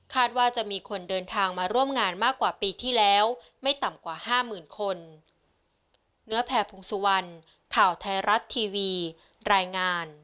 ว่าจะมีคนเดินทางมาร่วมงานมากกว่าปีที่แล้วไม่ต่ำกว่า๕๐๐๐คน